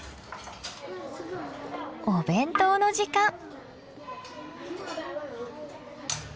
お弁当の時間。